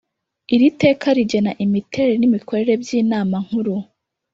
Iri teka rigena imiterere n’imikorere by’Inama nkuru